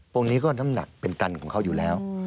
ตรงนี้ก็น้ำหนักเป็นตันของเขาอยู่แล้ว